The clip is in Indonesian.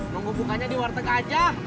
mau bukanya di warteg saja